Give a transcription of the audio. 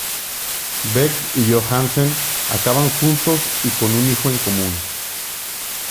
Beck y Johansen acaban juntos y con un hijo en común.